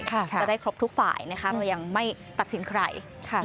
จะได้ครบทุกฝ่ายนะคะเรายังไม่ตัดสินใคร